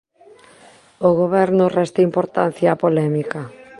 O Goberno resta importancia á polémica.